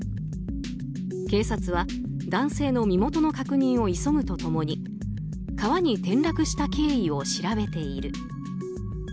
警察は男性の身元の確認を急ぐと共に川に転落した経緯を調べている。